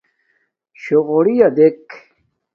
شݸغݸرِیݳ دݵک.